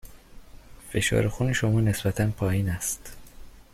فشار خون شما نسبتاً پایین است.